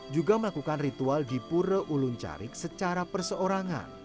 juga melakukan ritual di pura ulun carik secara perseorangan